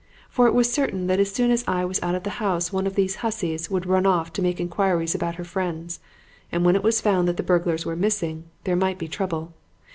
For it was certain that as soon as I was out of the house one of these hussies would run off to make inquiries about her friends; and when it was found that the burglars were missing, there might be trouble.